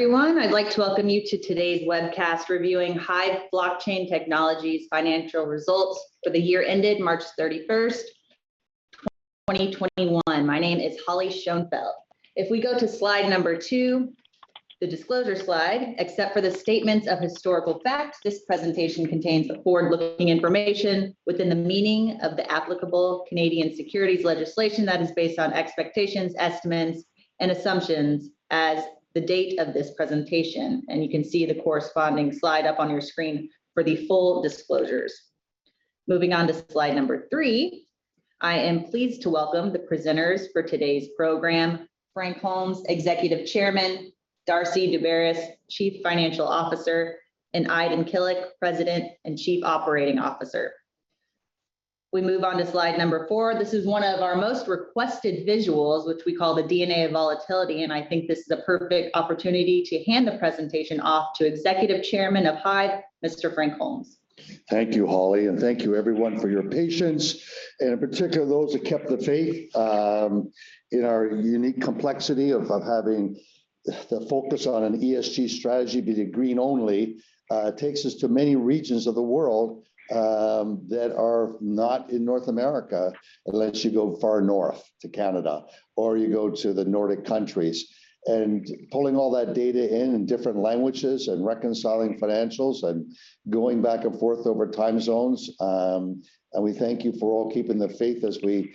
Everyone, I'd like to welcome you to today's webcast reviewing HIVE Blockchain Technologies financial results for the year ended March 31st, 2021. My name is Holly Schoenfeldt. If we go to slide number two, the disclosure slide, except for the statements of historical fact, this presentation contains forward-looking information within the meaning of the applicable Canadian securities legislation that is based on expectations, estimates, and assumptions as the date of this presentation. You can see the corresponding slide up on your screen for the full disclosures. Moving on to slide number three. I am pleased to welcome the presenters for today's program, Frank Holmes, Executive Chairman, Darcy Daubaras, Chief Financial Officer, and Aydin Kilic, President and Chief Operating Officer. We move on to slide number four. This is one of our most requested visuals, which we call the DNA of volatility, and I think this is a perfect opportunity to hand the presentation off to Executive Chairman of HIVE, Mr. Frank Holmes. Thank you, Holly, and thank you, everyone, for your patience, and in particular, those that kept the faith in our unique complexity of having the focus on an ESG strategy be to green only takes us to many regions of the world that are not in North America, unless you go far north to Canada or you go to the Nordic countries. Pulling all that data in in different languages and reconciling financials and going back and forth over time zones, and we thank you for all keeping the faith as we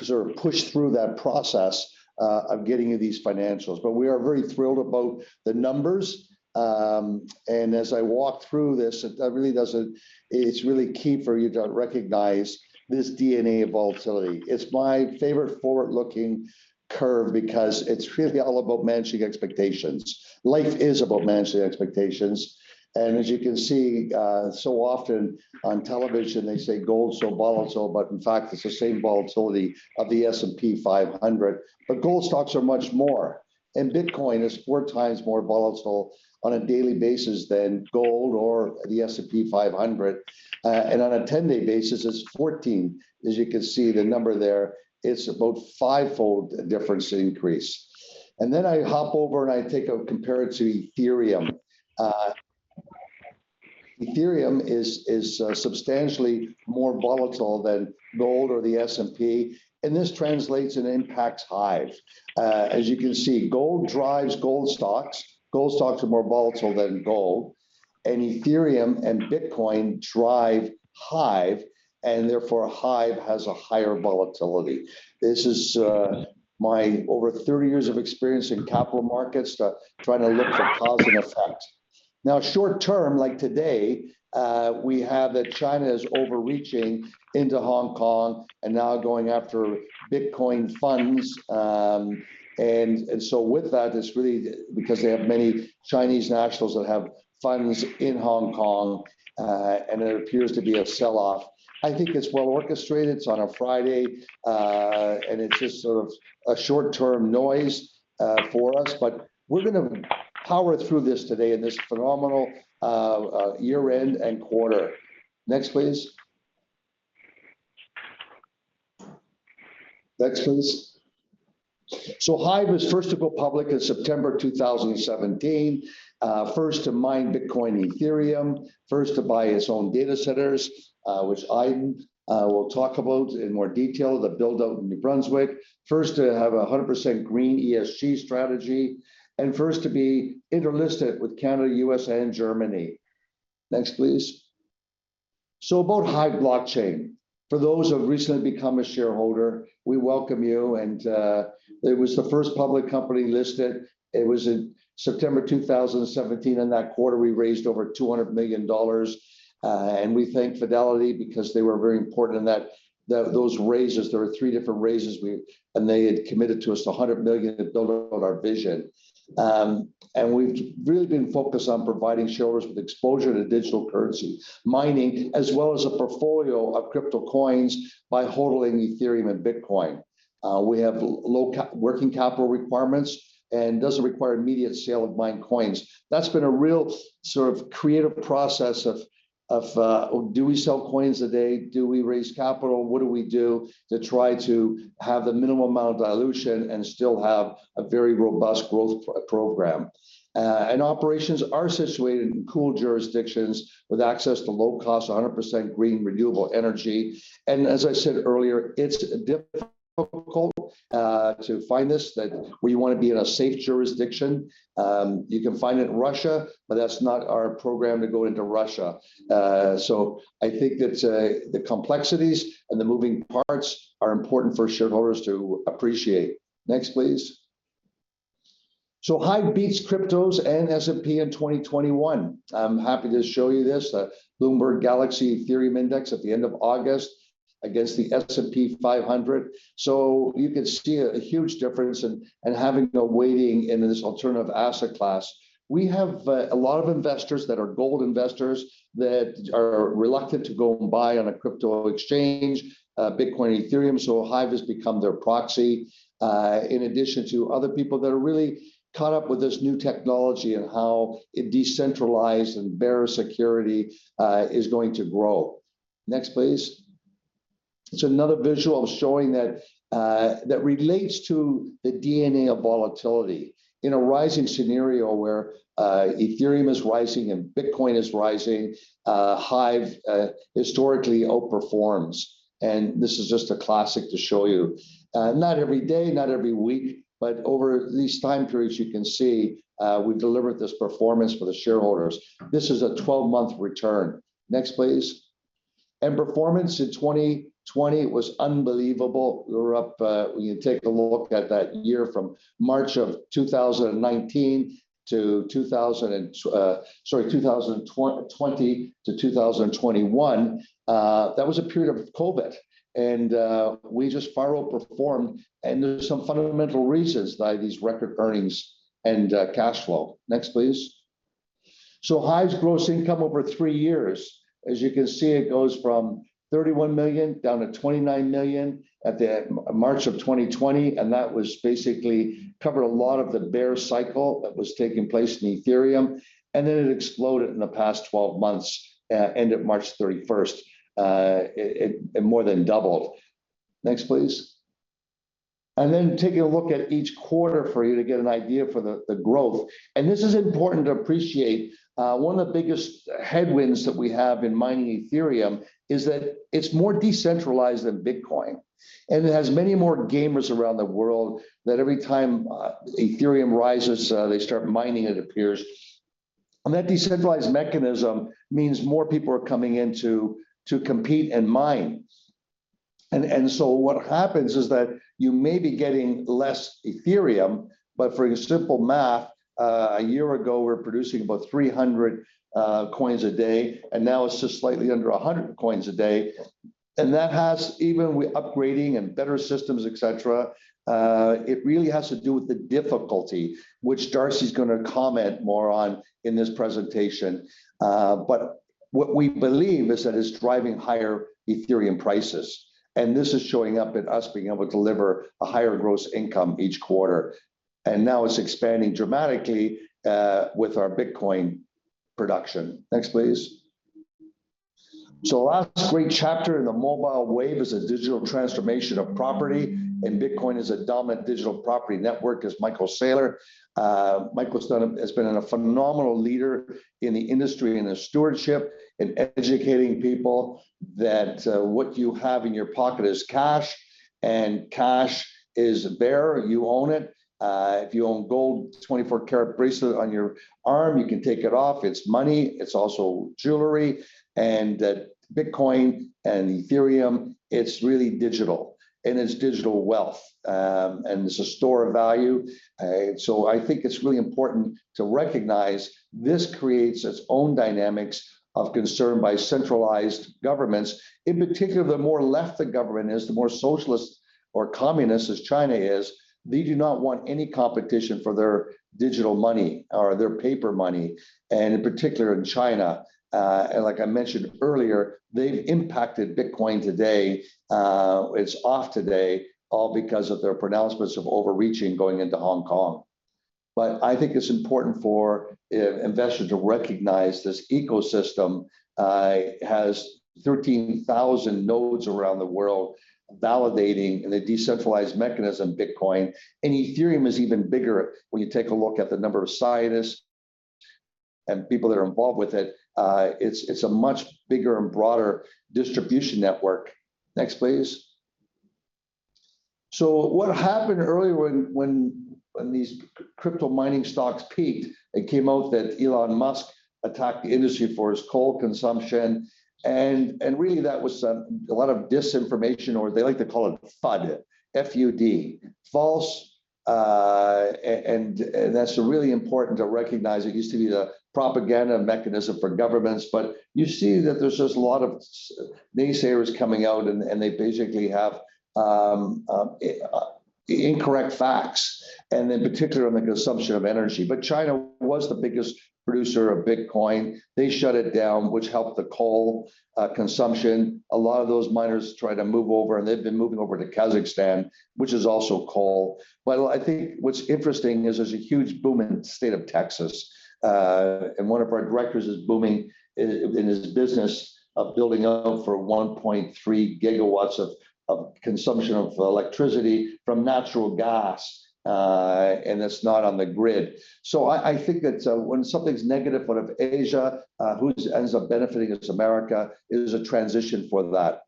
sort of push through that process of getting you these financials. We are very thrilled about the numbers. As I walk through this, it's really key for you to recognize this DNA of volatility. It's my favorite forward-looking curve because it's really all about managing expectations. Life is about managing expectations. As you can see, so often on television, they say gold's so volatile, but in fact, it's the same volatility of the S&P 500. Gold stocks are much more, and Bitcoin is four times more volatile on a daily basis than gold or the S&P 500. On a 10-day basis, it's 14. As you can see the number there, it's about five-fold difference increase. Then I hop over and I take a compare it to Ethereum. Ethereum is substantially more volatile than gold or the S&P, and this translates and impacts HIVE. Gold drives gold stocks. Gold stocks are more volatile than gold, and Ethereum and Bitcoin drive HIVE, and therefore HIVE has a higher volatility. This is my over 30 years of experience in capital markets to try to look for cause and effect. Short term, like today, we have that China is overreaching into Hong Kong and now going after Bitcoin funds. With that, because they have many Chinese nationals that have funds in Hong Kong, and there appears to be a sell-off. I think it's well-orchestrated. It's on a Friday, and it's just sort of a short-term noise for us. We're going to power through this today in this phenomenal year-end and quarter. Next, please. Next, please. HIVE was first to go public in September 2017. First to mine Bitcoin and Ethereum, first to buy its own data centers, which Aydin will talk about in more detail, the build out in New Brunswick. First to have a 100% green ESG strategy, and first to be inter-listed with Canada, U.S.A., and Germany. Next, please. About HIVE Blockchain. For those who have recently become a shareholder, we welcome you, and it was the first public company listed. It was in September 2017. In that quarter, we raised over 200 million dollars. We thank Fidelity because they were very important in those raises. There were three different raises, and they had committed to us to 100 million to build out our vision. We've really been focused on providing shareholders with exposure to digital currency mining, as well as a portfolio of crypto coins by HODLing Ethereum and Bitcoin. We have low working capital requirements and doesn't require immediate sale of mined coins. That's been a real sort of creative process of do we sell coins a day? Do we raise capital? What do we do to try to have the minimum amount of dilution and still have a very robust growth program? Operations are situated in cool jurisdictions with access to low-cost, 100% green renewable energy. As I said earlier, it's difficult to find this, where you want to be in a safe jurisdiction. You can find it in Russia, but that's not our program to go into Russia. I think that the complexities and the moving parts are important for shareholders to appreciate. Next, please. HIVE beats cryptos and S&P in 2021. I'm happy to show you this, the Bloomberg Galaxy Ethereum Index at the end of August against the S&P 500. You could see a huge difference in having a weighting in this alternative asset class. We have a lot of investors that are gold investors that are reluctant to go and buy on a crypto exchange, Bitcoin and Ethereum, HIVE has become their proxy, in addition to other people that are really caught up with this new technology and how it decentralized and bearer security is going to grow. Next, please. It's another visual showing that relates to the DNA of volatility. In a rising scenario where Ethereum is rising and Bitcoin is rising, HIVE historically outperforms, This is just a classic to show you. Not every day, not every week, Over these time periods, you can see we've delivered this performance for the shareholders. This is a 12-month return. Next, please. Performance in 2020 was unbelievable. We were up, when you take a look at that year from March of 2019-2020-2021, that was a period of COVID, we just far outperformed. There's some fundamental reasons by these record earnings and cash flow. Next, please. HIVE's gross income over three years. As you can see, it goes from 31 million down to 29 million at March of 2020, that was basically covered a lot of the bear cycle that was taking place in Ethereum, then it exploded in the past 12 months. End of March 31st, it more than doubled. Next, please. Taking a look at each quarter for you to get an idea for the growth. This is important to appreciate. One of the biggest headwinds that we have in mining Ethereum is that it's more decentralized than Bitcoin, and it has many more gamers around the world that every time Ethereum rises, they start mining it appears. That decentralized mechanism means more people are coming in to compete and mine. What happens is that you may be getting less Ethereum, but for simple math, a year ago, we were producing about 300 coins a day, and now it's just slightly under 100 coins a day. That has, even with upgrading and better systems, et cetera, it really has to do with the difficulty, which Darcy's going to comment more on in this presentation. What we believe is that it's driving higher Ethereum prices, and this is showing up in us being able to deliver a higher gross income each quarter. Now it's expanding dramatically with our Bitcoin production. Next, please. Last great chapter in the mobile wave is a digital transformation of property, and Bitcoin is a dominant digital property network as Michael Saylor. Michael has been a phenomenal leader in the industry and the stewardship in educating people that what you have in your pocket is cash, and cash is there. You own it. If you own gold 24-karat bracelet on your arm, you can take it off. It's money, it's also jewelry, and that Bitcoin and Ethereum, it's really digital, and it's digital wealth. It's a store of value. I think it's really important to recognize this creates its own dynamics of concern by centralized governments. In particular, the more left the government is, the more socialist or communist as China is, they do not want any competition for their digital money or their paper money. In particular in China, like I mentioned earlier, they've impacted Bitcoin today. It's off today all because of their pronouncements of overreaching going into Hong Kong. I think it's important for investors to recognize this ecosystem has 13,000 nodes around the world validating the decentralized mechanism, Bitcoin, and Ethereum is even bigger when you take a look at the number of scientists and people that are involved with it. It's a much bigger and broader distribution network. Next, please. What happened earlier when these crypto mining stocks peaked and came out that Elon Musk attacked the industry for its coal consumption, and really that was a lot of disinformation, or they like to call it FUD. FUD, false, and that's really important to recognize. You see that there's just a lot of naysayers coming out, and they basically have incorrect facts, and in particular on the consumption of energy. China was the biggest producer of Bitcoin. They shut it down, which helped the coal consumption. A lot of those miners tried to move over, and they've been moving over to Kazakhstan, which is also coal. I think what's interesting is there's a huge boom in the state of Texas. One of our directors is booming in his business of building out for 1.3 gigawatts of consumption of electricity from natural gas, and that's not on the grid. I think that when something's negative out of Asia, who ends up benefiting? It's America. It is a transition for that.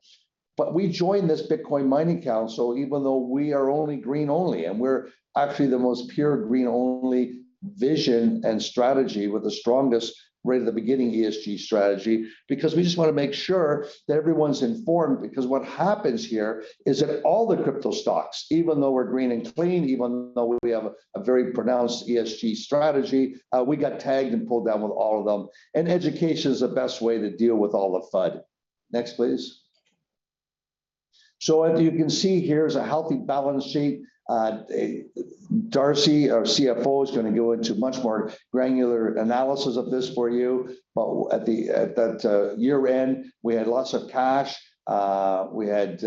We joined this Bitcoin Mining Council even though we are only green-only, and we're actually the most pure green-only vision and strategy with the strongest right at the beginning ESG strategy, because we just want to make sure that everyone's informed because what happens here is that all the crypto stocks, even though we're green and clean, even though we have a very pronounced ESG strategy, we got tagged and pulled down with all of them, and education is the best way to deal with all the FUD. Next, please. As you can see here is a healthy balance sheet. Darcy, our CFO, is going to go into much more granular analysis of this for you. At that year-end, we had lots of cash. We had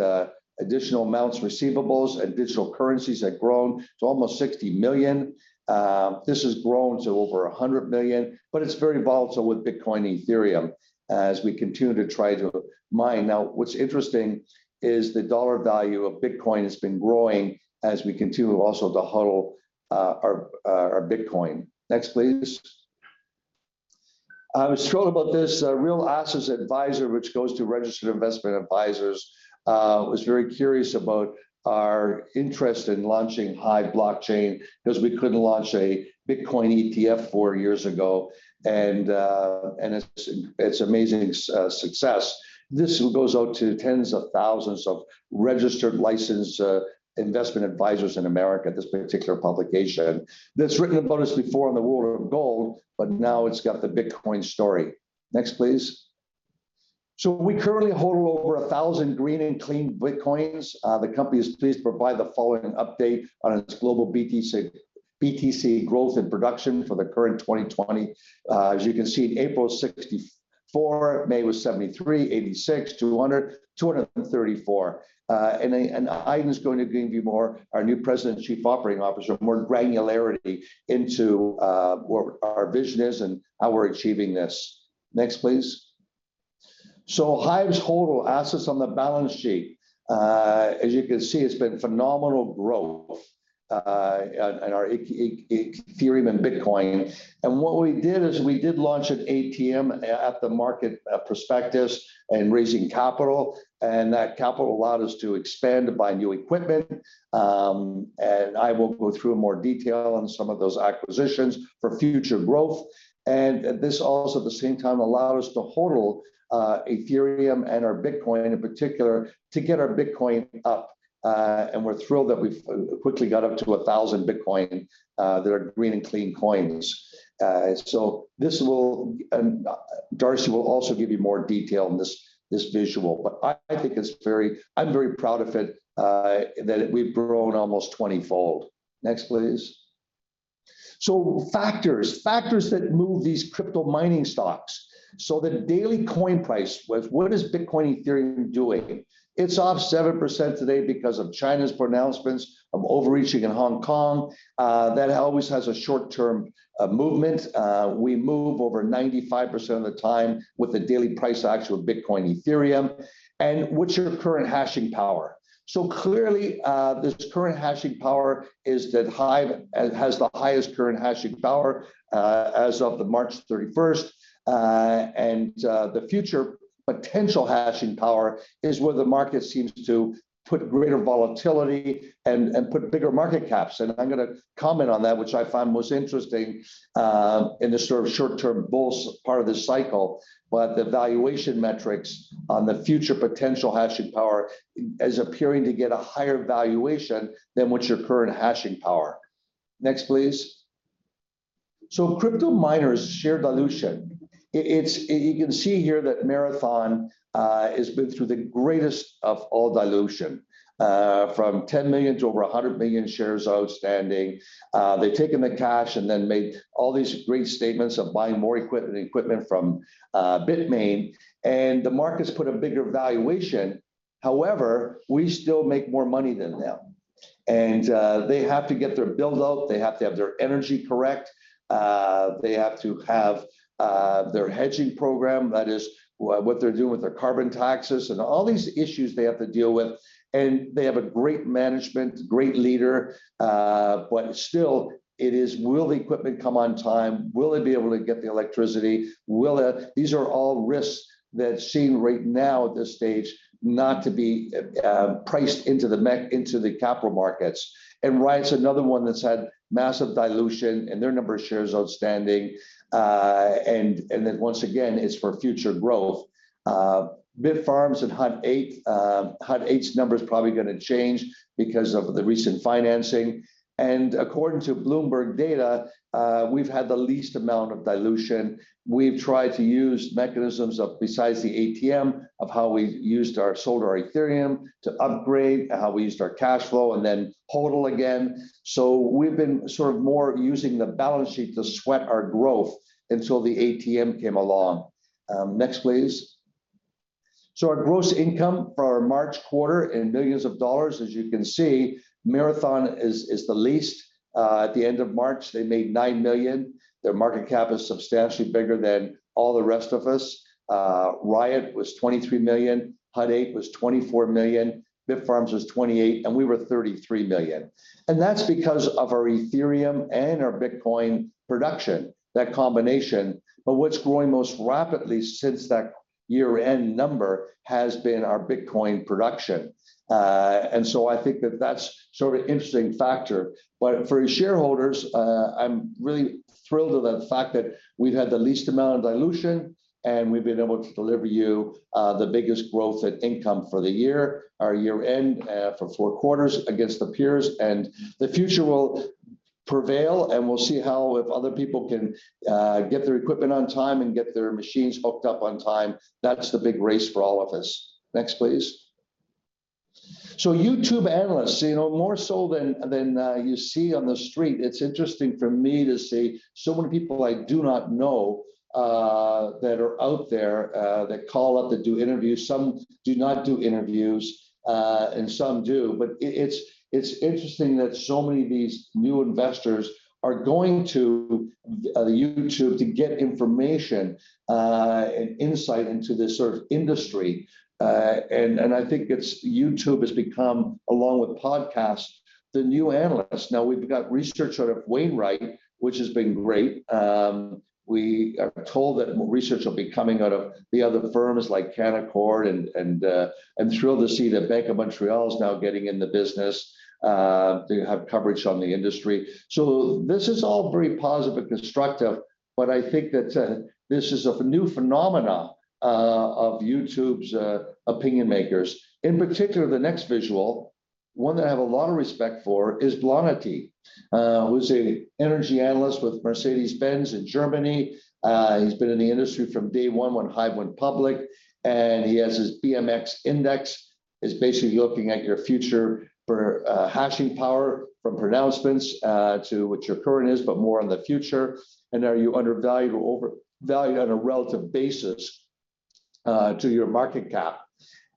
additional amounts, receivables, and digital currencies had grown to almost 60 million. This has grown to over 100 million. It's very volatile with Bitcoin and Ethereum. As we continue to try to mine. What's interesting is the dollar value of Bitcoin has been growing as we continue also to HODL our Bitcoin. Next, please. I was thrilled about this, Real Assets Adviser, which goes to registered investment advisors, was very curious about our interest in launching HIVE Blockchain because we couldn't launch a Bitcoin ETF four years ago, and its amazing success. This goes out to tens of thousands of registered licensed investment advisors in the U.S., this particular publication. That's written about us before on the world of gold. Now it's got the Bitcoin story. Next, please. We currently hold over 1,000 green and clean Bitcoins. The company is pleased to provide the following update on its global BTC growth and production for the current 2020. As you can see, in April, 64, May was 73, 86, 200, 234. Aydin is going to give you more, our new president and chief operating officer, more granularity into where our vision is and how we're achieving this. Next, please. HIVE's total assets on the balance sheet. As you can see, it's been phenomenal growth in our Ethereum and Bitcoin. What we did is we did launch an ATM at the market prospectus and raising capital, and that capital allowed us to expand and buy new equipment. I will go through more detail on some of those acquisitions for future growth. This also, at the same time, allowed us to HODL Ethereum and our Bitcoin in particular to get our Bitcoin up. We're thrilled that we've quickly got up to 1,000 Bitcoin that are green and clean coins. Darcy will also give you more detail on this visual, but I'm very proud of it, that we've grown almost twentyfold. Next, please. Factors. Factors that move these crypto mining stocks. The daily coin price was, what is Bitcoin and Ethereum doing? It's off 7% today because of China's pronouncements of overreaching in Hong Kong. That always has a short-term movement. We move over 95% of the time with the daily price action with Bitcoin and Ethereum. What's your current hashing power? Clearly, this current hashing power is that HIVE has the highest current hashing power as of the March 31st. The future potential hashing power is where the market seems to put greater volatility and put bigger market caps. I'm going to comment on that, which I find most interesting in the sort of short-term bulls part of this cycle. The valuation metrics on the future potential hashing power is appearing to get a higher valuation than what's your current hashing power. Next, please. Crypto miners share dilution. You can see here that Marathon has been through the greatest of all dilution, from 10 million-100 million shares outstanding. They've taken the cash and then made all these great statements of buying more equipment from Bitmain, and the market's put a bigger valuation. However, we still make more money than them. They have to get their build out. They have to have their energy correct. They have to have their hedging program, that is, what they're doing with their carbon taxes and all these issues they have to deal with. They have a great management, great leader. Still, it is will the equipment come on time? Will they be able to get the electricity? These are all risks that seem right now at this stage not to be priced into the capital markets. Riot's another one that's had massive dilution in their number of shares outstanding. Once again, it's for future growth. Bitfarms and Hut 8. Hut 8's number's probably going to change because of the recent financing. According to Bloomberg data, we've had the least amount of dilution. We've tried to use mechanisms of besides the ATM, of how we sold our Ethereum to upgrade, how we used our cash flow, and then HODL again. We've been sort of more using the balance sheet to sweat our growth until the ATM came along. Next, please. Our gross income for our March quarter in millions of dollars, as you can see, Marathon is the least. At the end of March, they made 9 million. Their market cap is substantially bigger than all the rest of us. Riot was 23 million. Hut 8 was 24 million. Bitfarms was 28, and we were 33 million. That's because of our Ethereum and our Bitcoin production, that combination. What's growing most rapidly since that year-end number has been our Bitcoin production. I think that that's sort of interesting factor. For shareholders, I'm really thrilled with the fact that we've had the least amount of dilution, and we've been able to deliver you the biggest growth at income for the year, our year-end, for four quarters against the peers. The future will prevail, and we'll see how, if other people can get their equipment on time and get their machines hooked up on time. That's the big race for all of us. Next, please. YouTube analysts, more so than you see on the street. It's interesting for me to see so many people I do not know that are out there that call up to do interviews. Some do not do interviews and some do. It's interesting that so many of these new investors are going to YouTube to get information and insight into this sort of industry. I think YouTube has become, along with podcasts, the new analyst. Now we've got research out of Wainwright, which has been great. We are told that more research will be coming out of the other firms like Canaccord, and thrilled to see that Bank of Montreal is now getting in the business to have coverage on the industry. This is all very positive and constructive, but I think that this is a new phenomena of YouTube's opinion makers. In particular, the next visual, one that I have a lot of respect for, is Blonity, who's an energy analyst with Mercedes-Benz in Germany. He's been in the industry from day one when HIVE went public, and he has his BMX index. It's basically looking at your future for hashing power from pronouncements to what your current is, but more on the future. Are you undervalued or overvalued on a relative basis to your market cap.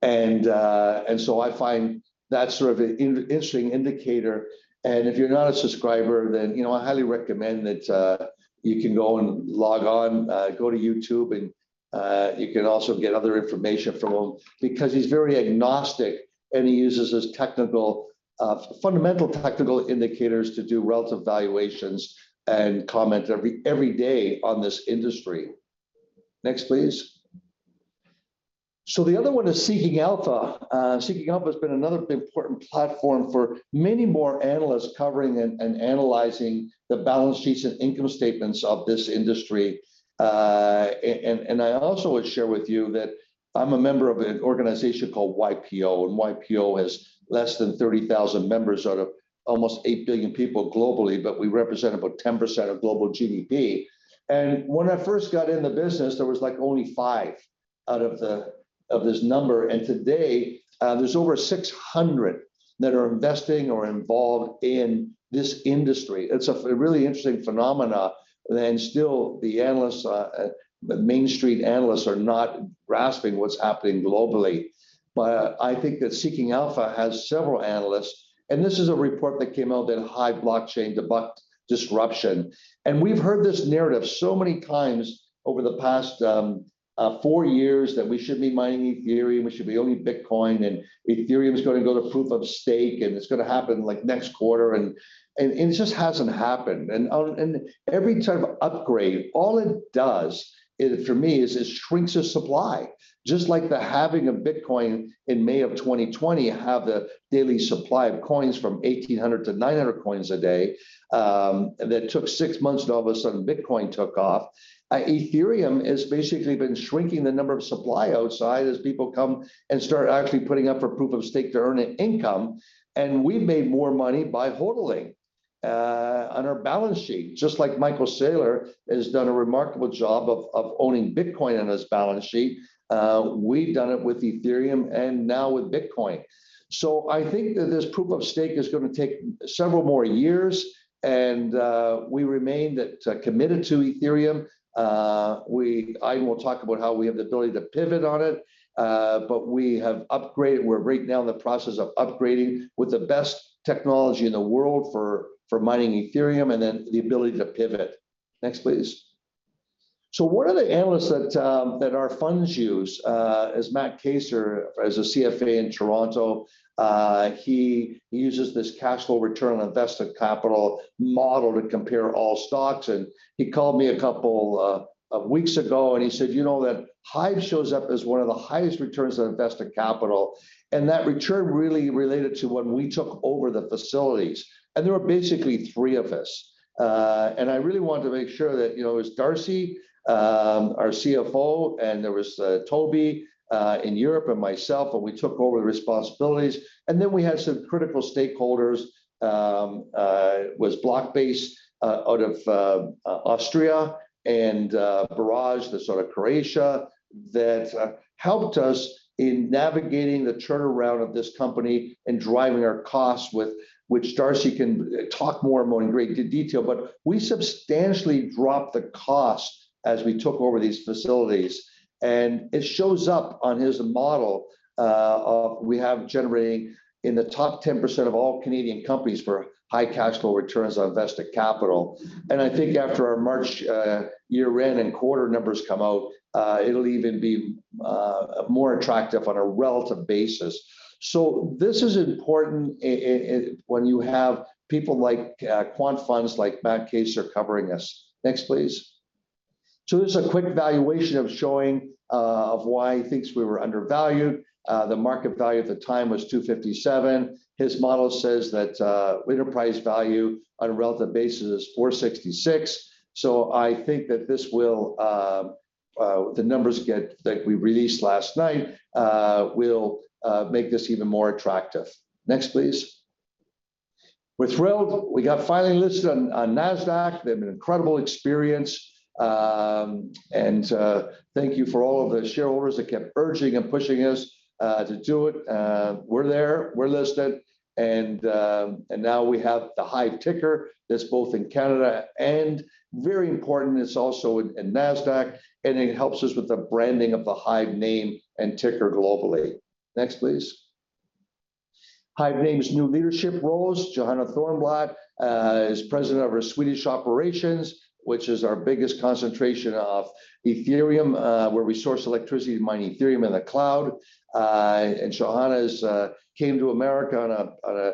I find that sort of an interesting indicator, and if you're not a subscriber, then I highly recommend that you can go and log on. Go to YouTube and you can also get other information from him, because he's very agnostic and he uses his fundamental technical indicators to do relative valuations and comment every day on this industry. Next, please. The other one is Seeking Alpha. Seeking Alpha's been another important platform for many more analysts covering and analyzing the balance sheets and income statements of this industry. I also would share with you that I'm a member of an organization called YPO, and YPO has less than 30,000 members out of almost eight billion people globally, but we represent about 10% of global GDP. When I first got in the business, there was only five out of this number, and today there's over 600 that are investing or involved in this industry. It's a really interesting phenomena, and still the main street analysts are not grasping what's happening globally. I think that Seeking Alpha has several analysts, and this is a report that came out that HIVE Blockchain Debunked Disruption. We've heard this narrative so many times over the past four years, that we shouldn't be mining Ethereum, we should be only Bitcoin, and Ethereum's going to go to proof of stake, and it's going to happen next quarter, and it just hasn't happened. Every time upgrade, all it does is for me is it shrinks the supply. Just like the halving of Bitcoin in May of 2020, have the daily supply of coins from 1,800-900 coins a day, that took six months and all of a sudden Bitcoin took off. Ethereum has basically been shrinking the number of supply outside as people come and start actually putting up for proof of stake to earn an income, we've made more money by HODLing on our balance sheet. Just like Michael Saylor has done a remarkable job of owning Bitcoin on his balance sheet, we've done it with Ethereum and now with Bitcoin. I think that this proof of stake is going to take several more years, and we remain committed to Ethereum. I will talk about how we have the ability to pivot on it, but we have upgraded. We're right now in the process of upgrading with the best technology in the world for mining Ethereum, and then the ability to pivot. Next, please. One of the analysts that our funds use is Matt Kacur. As a CFA in Toronto, he uses this cash flow return on invested capital model to compare all stocks. He called me a couple of weeks ago and he said that HIVE shows up as one of the highest returns on invested capital, and that return really related to when we took over the facilities. There were basically three of us. I really wanted to make sure that it was Darcy, our CFO, and there was Toby in Europe, and myself, and we took over the responsibilities. Then we had some critical stakeholders, was BlockBase out of Austria and Barrage that's out of Croatia, that helped us in navigating the turnaround of this company and driving our costs, which Darcy can talk more and more in great detail. We substantially dropped the cost as we took over these facilities, and it shows up on his model of we have generating in the top 10% of all Canadian companies for high cash flow returns on invested capital. I think after our March year-end and quarter numbers come out, it'll even be more attractive on a relative basis. This is important when you have people like quant funds like Matt Kacur covering us. Next, please. This is a quick valuation of showing of why he thinks we were undervalued. The market value at the time was $257. His model says that enterprise value on a relative basis is $466. I think that the numbers that we released last night will make this even more attractive. Next, please. We're thrilled. We got finally listed on NASDAQ. They've been an incredible experience. Thank you for all of the shareholders that kept urging and pushing us to do it. We're there, we're listed, now we have the HIVE ticker that's both in Canada, very important, it's also in NASDAQ, and it helps us with the branding of the HIVE name and ticker globally. Next, please. HIVE names new leadership roles. Johanna Thörnblad is President of our Swedish operations, which is our biggest concentration of Ethereum, where we source electricity to mine Ethereum in the cloud. Johanna came to America on a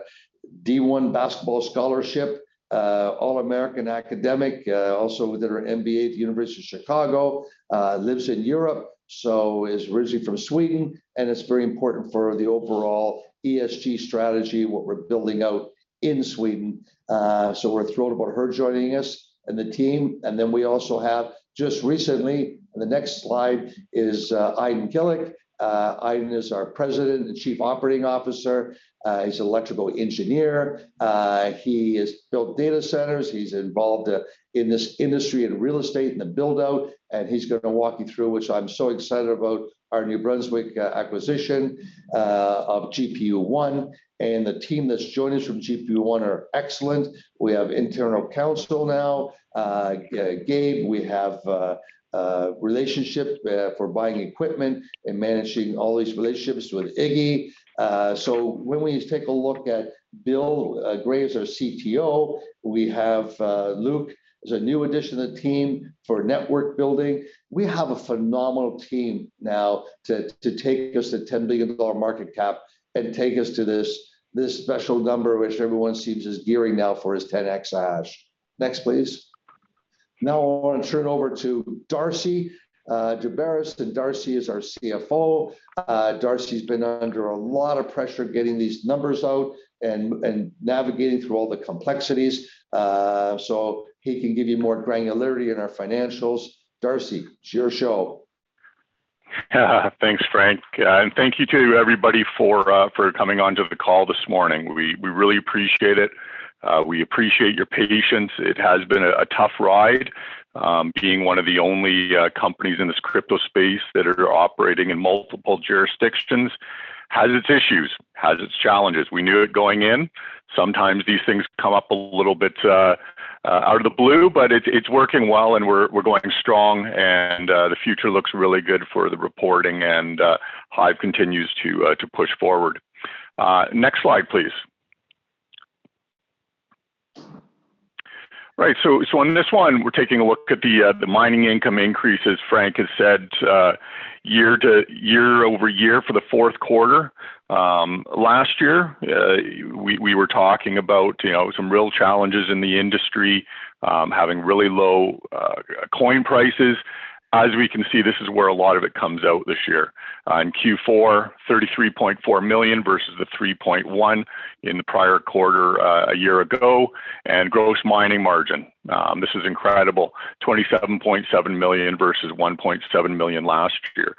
D1 basketball scholarship, all-American academic, also did her MBA at the University of Chicago. Lives in Europe, is originally from Sweden, it's very important for the overall ESG strategy, what we're building out in Sweden. We're thrilled about her joining us and the team. We also have just recently, the next slide is Aydin Kilic. Aydin is our president and chief operating officer. He's an electrical engineer. He has built data centers. He's involved in this industry, in real estate, in the build-out, and he's going to walk you through, which I'm so excited about, our New Brunswick acquisition of GPU.One. The team that's joined us from GPU.One are excellent. We have internal counsel now, Gabe. We have a relationship for buying equipment and managing all these relationships with Iggy. When we take a look at Bill Papanastasiou's our CTO, we have Luke as a new addition to the team for network building. We have a phenomenal team now to take us to 10 billion dollar market cap and take us to this special number, which everyone seems is gearing now for is 10 exahash. Next, please. I want to turn over to Darcy Daubaras, and Darcy is our CFO. Darcy's been under a lot of pressure getting these numbers out and navigating through all the complexities, so he can give you more granularity in our financials. Darcy, it's your show. Thanks, Frank. Thank you to everybody for coming onto the call this morning. We really appreciate it. We appreciate your patience. It has been a tough ride. Being one of the only companies in this crypto space that are operating in multiple jurisdictions has its issues, has its challenges. We knew it going in. Sometimes these things come up a little bit out of the blue, but it's working well, and we're going strong, and the future looks really good for the reporting. HIVE continues to push forward. Next slide, please. Right. In this one, we're taking a look at the mining income increases Frank has said year-over-year for the Q4. Last year, we were talking about some real challenges in the industry, having really low coin prices. As we can see, this is where a lot of it comes out this year. In Q4, 33.4 million versus 3.1 million in the prior quarter a year ago. Gross mining margin. This is incredible. 27.7 million versus 1.7 million last year.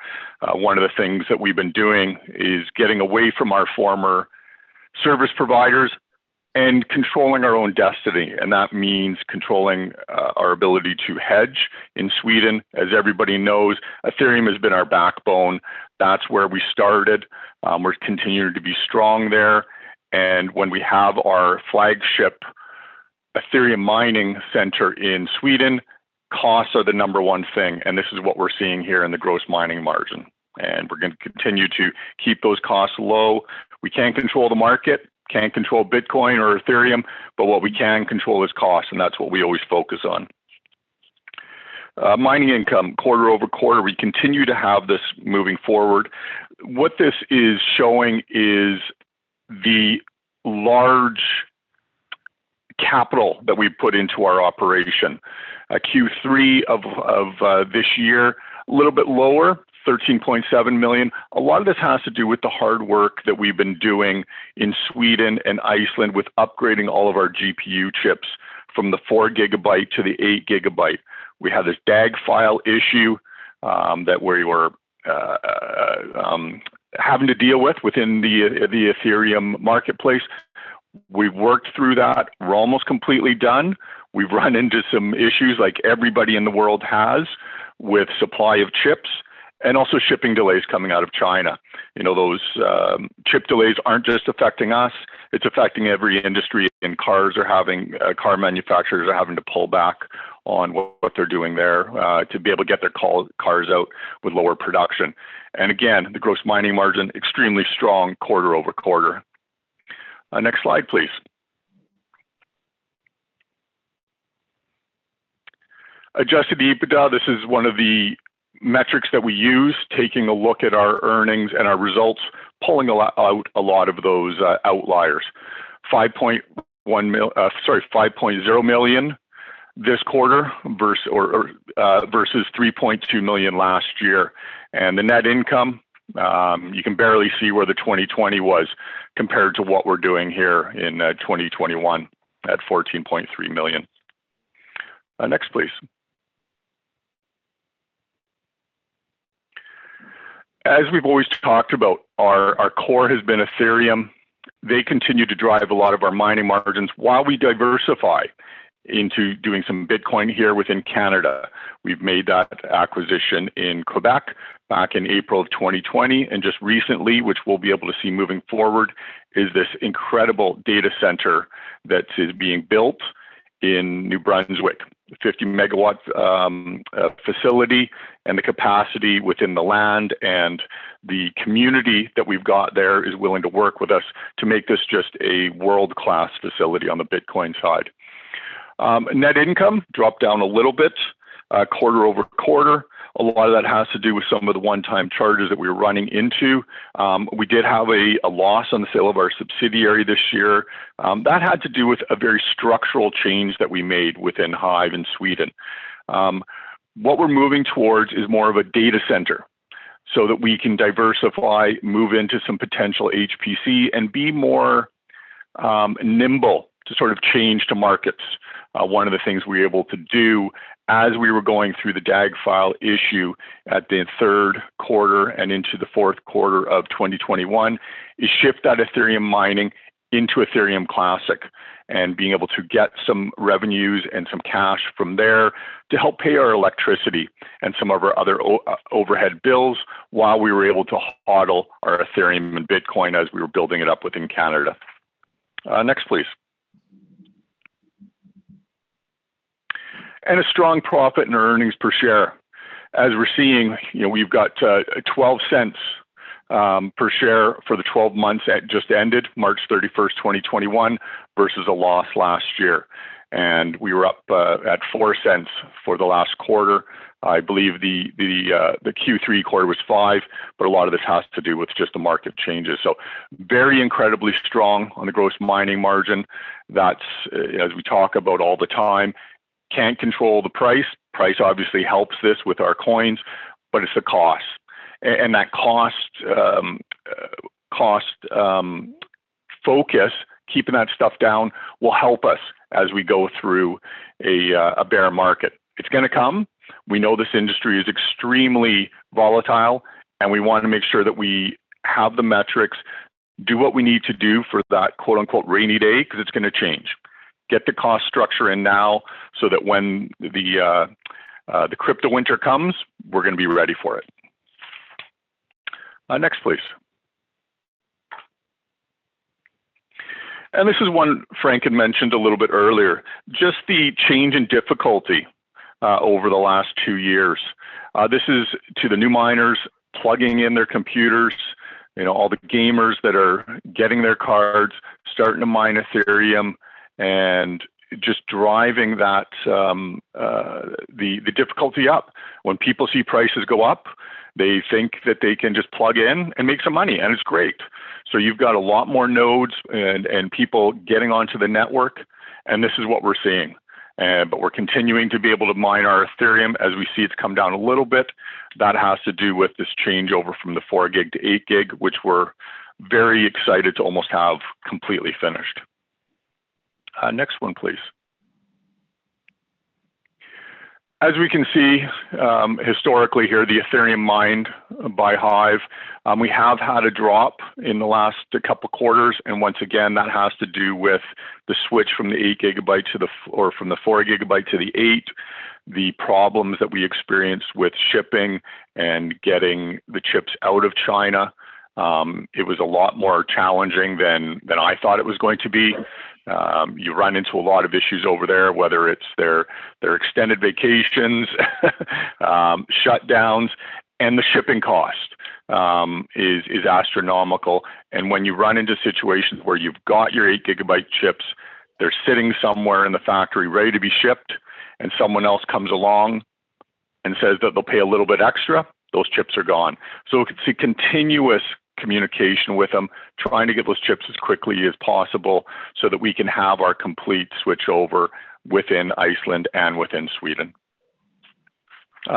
One of the things that we've been doing is getting away from our former service providers and controlling our own destiny, and that means controlling our ability to hedge in Sweden. As everybody knows, Ethereum has been our backbone. That's where we started. We're continuing to be strong there. When we have our flagship Ethereum mining center in Sweden, costs are the number one thing, and this is what we're seeing here in the gross mining margin. We're going to continue to keep those costs low. We can't control the market, can't control Bitcoin or Ethereum, but what we can control is cost, and that's what we always focus on. Mining income, quarter-over-quarter, we continue to have this moving forward. What this is showing is the large capital that we put into our operation. Q3 of this year, a little bit lower, 13.7 million. A lot of this has to do with the hard work that we've been doing in Sweden and Iceland with upgrading all of our GPU chips from the 4 GB-8 GB. We had this DAG file issue that we were having to deal with within the Ethereum marketplace. We've worked through that. We're almost completely done. We've run into some issues like everybody in the world has with supply of chips and also shipping delays coming out of China. Those chip delays aren't just affecting us. It's affecting every industry, and car manufacturers are having to pull back on what they're doing there to be able to get their cars out with lower production. Again, the gross mining margin, extremely strong quarter-over-quarter. Next slide, please. Adjusted EBITDA, this is one of the metrics that we use, taking a look at our earnings and our results, pulling out a lot of those outliers. 5.0 million this quarter versus 3.2 million last year. The net income, you can barely see where the 2020 was compared to what we're doing here in 2021 at 14.3 million. Next, please. As we've always talked about, our core has been Ethereum. They continue to drive a lot of our mining margins while we diversify into doing some Bitcoin here within Canada. We've made that acquisition in Quebec back in April of 2020, and just recently, which we'll be able to see moving forward, is this incredible data center that is being built in New Brunswick. A 50 MW facility, and the capacity within the land, and the community that we've got there is willing to work with us to make this just a world-class facility on the Bitcoin side. Net income dropped down a little bit quarter-over-quarter. A lot of that has to do with some of the one-time charges that we were running into. We did have a loss on the sale of our subsidiary this year. That had to do with a very structural change that we made within HIVE in Sweden. What we're moving towards is more of a data center so that we can diversify, move into some potential HPC, and be nimbler to change to markets. One of the things we were able to do as we were going through the DAG file issue at the Q3 and into the Q4 of 2021, is shift that Ethereum mining into Ethereum Classic, and being able to get some revenues and some cash from there to help pay our electricity and some of our other overhead bills while we were able to HODL our Ethereum and Bitcoin as we were building it up within Canada. Next, please. A strong profit in our earnings per share. As we're seeing, we've got 0.12 per share for the 12 months that just ended March 31st, 2021, versus a loss last year. We were up at 0.04 for the last quarter. I believe the Q3 quarter was 0.05. A lot of this has to do with just the market changes. Very incredibly strong on the gross mining margin. That's, as we talk about all the time, can't control the price. Price obviously helps this with our coins. It's a cost. That cost focus, keeping that stuff down, will help us as we go through a bear market. It's going to come. We know this industry is extremely volatile. We want to make sure that we have the metrics, do what we need to do for that "rainy day" because it's going to change. Get the cost structure in now so that when the crypto winter comes, we're going to be ready for it. Next, please. This is one Frank had mentioned a little bit earlier, just the change in difficulty over the last two years. This is to the new miners plugging in their computers, all the gamers that are getting their cards, starting to mine Ethereum, and just driving the difficulty up. When people see prices go up, they think that they can just plug in and make some money, and it's great. You've got a lot more nodes and people getting onto the network, and this is what we're seeing. We're continuing to be able to mine our Ethereum as we see it's come down a little bit. That has to do with this changeover from the 4 GB-8 GB, which we're very excited to almost have completely finished. Next one, please. As we can see, historically here, the Ethereum mined by HIVE, we have had a drop in the last couple of quarters. Once again, that has to do with the switch from the 4 GB-8 GB, the problems that we experienced with shipping and getting the chips out of China. It was a lot more challenging than I thought it was going to be. You run into a lot of issues over there, whether it's their extended vacations shutdowns, and the shipping cost is astronomical. When you run into situations where you've got your 8-gigabyte chips, they're sitting somewhere in the factory ready to be shipped, and someone else comes along and says that they'll pay a little bit extra, those chips are gone. It's a continuous communication with them, trying to get those chips as quickly as possible so that we can have our complete switchover within Iceland and within Sweden.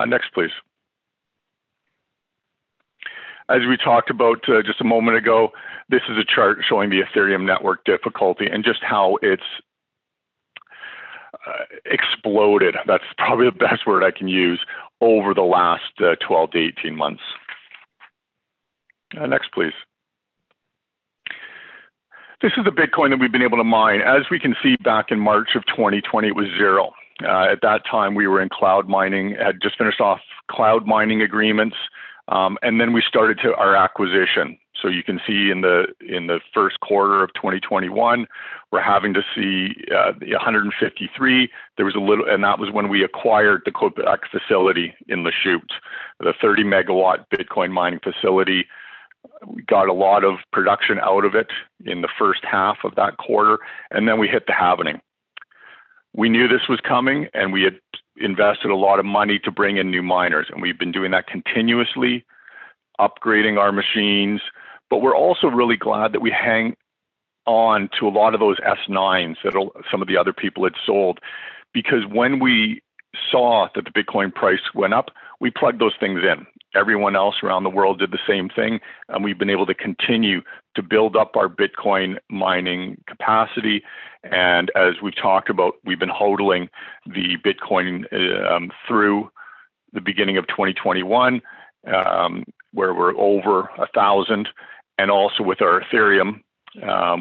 Next, please. As we talked about just a moment ago, this is a chart showing the Ethereum network difficulty and just how it's exploded, that's probably the best word I can use, over the last 12-18 months. Next, please. This is the Bitcoin that we've been able to mine. As we can see, back in March of 2020, it was zero. At that time, we were in cloud mining, had just finished off cloud mining agreements, and then we started our acquisition. You can see in the Q1 of 2021, we're having to see 153. That was when we acquired the Quebec facility in Lachute, the 30 MW Bitcoin mining facility. We got a lot of production out of it in the H1 of that quarter, and then we hit the halving. We knew this was coming, and we had invested a lot of money to bring in new miners, and we've been doing that continuously, upgrading our machines. We're also really glad that we hang on to a lot of those S9s that some of the other people had sold because when we saw that the Bitcoin price went up, we plugged those things in. Everyone else around the world did the same thing, and we've been able to continue to build up our Bitcoin mining capacity. As we've talked about, we've been HODLing the Bitcoin through the beginning of 2021, where we're over 1,000, and also with our Ethereum,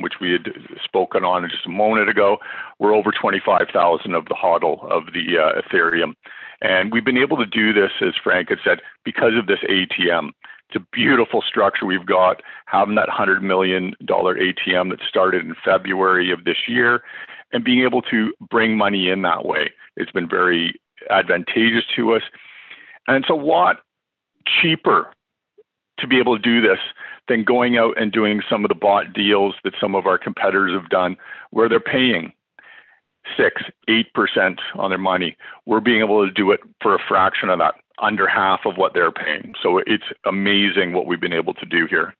which we had spoken on just a moment ago. We're over 25,000 of the HODL of the Ethereum. We've been able to do this, as Frank had said, because of this ATM. It's a beautiful structure we've got, having that $100 million ATM that started in February of this year, and being able to bring money in that way. It's been very advantageous to us. It's a lot cheaper to be able to do this than going out and doing some of the bought deals that some of our competitors have done, where they're paying 6%, 8% on their money. We're being able to do it for a fraction of that, under half of what they're paying. It's amazing what we've been able to do here.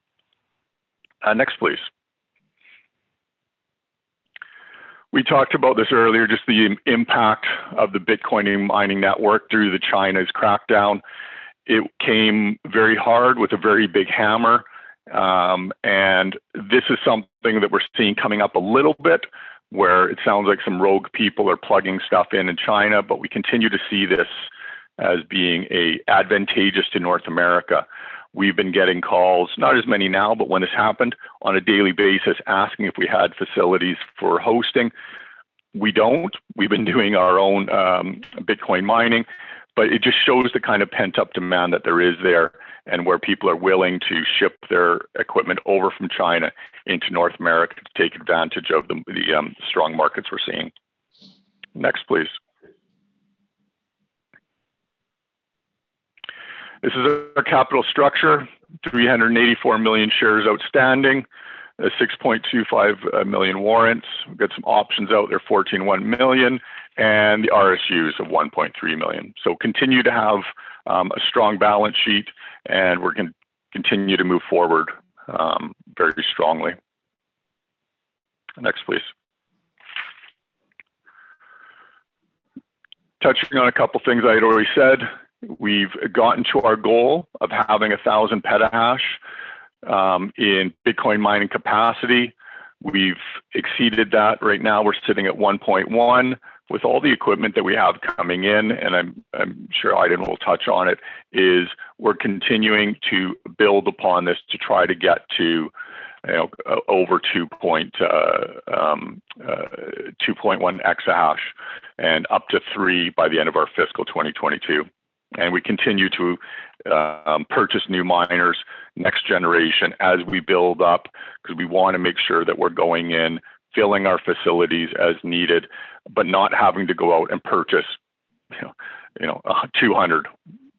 Next, please. We talked about this earlier, just the impact of the Bitcoin mining network through the China's crackdown. It came very hard with a very big hammer. This is something that we're seeing coming up a little bit where it sounds like some rogue people are plugging stuff in in China, but we continue to see this as being advantageous to North America. We've been getting calls, not as many now, but when this happened, on a daily basis asking if we had facilities for hosting. We don't. We've been doing our own Bitcoin mining. It just shows the kind of pent-up demand that there is there, and where people are willing to ship their equipment over from China into North America to take advantage of the strong markets we're seeing. Next, please. This is our capital structure, 384 million shares outstanding. 6.25 million warrants. We've got some options out there, 14.1 million, and the RSUs of 1.3 million. Continue to have a strong balance sheet, and we're going to continue to move forward very strongly. Next, please. Touching on a couple of things I had already said. We've gotten to our goal of having 1,000 petahash in Bitcoin mining capacity. We've exceeded that. Right now we're sitting at 1.1 with all the equipment that we have coming in, and I'm sure Aydin will touch on it, is we're continuing to build upon this to try to get to over 2.1 exahash and up to three by the end of our fiscal 2022. We continue to purchase new miners next generation as we build up, because we want to make sure that we're going in, filling our facilities as needed, but not having to go out and purchase 200